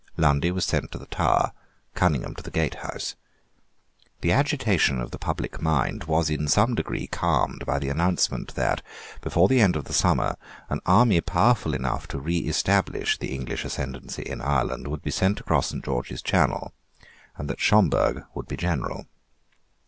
Lundy was sent to the Tower, Cunningham to the Gate House. The agitation of the public mind was in some degree calmed by the announcement that, before the end of the summer, an army powerful enough to reestablish the English ascendency in Ireland would be sent across Saint George's Channel, and that Schomberg would be the General.